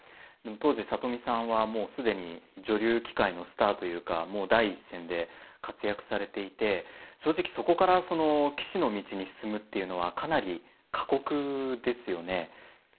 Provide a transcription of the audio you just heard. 当時里見さんはもう既に女流棋界のスターというかもう第一線で活躍されていて正直そこから棋士の道に進むっていうのはかなり過酷ですよね。